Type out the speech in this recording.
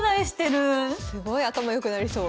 すごい頭良くなりそう。